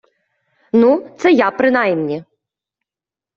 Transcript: Ну, це я принаймні